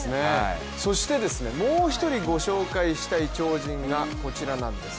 そして、もう一人ご紹介したい超人がこちらなんです。